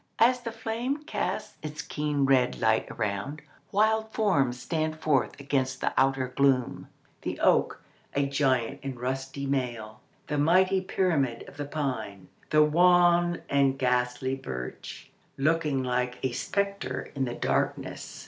As the flame casts its keen red light around, wild forms stand forth against the outer gloom—the oak, a giant in rusty mail; the mighty pyramid of the pine; the wan and ghastly birch, looking like a spectre in the darkness.